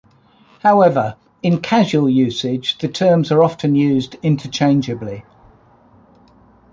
However, in casual usage, the terms are often used interchangeably.